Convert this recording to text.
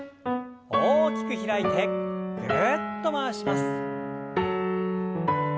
大きく開いてぐるっと回します。